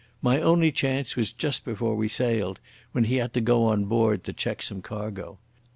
My only chance was just before we sailed, when he had to go on board to check some cargo.